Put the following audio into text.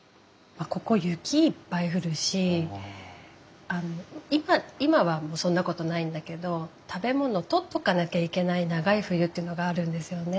ここ雪いっぱい降るし今はもうそんなことないんだけど食べ物を取っとかなきゃいけない長い冬というのがあるんですよね。